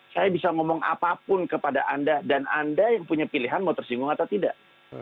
saya bisa ngomong apapun kepada anda dan anda yang punya pilihan mau tersinggung atau tidak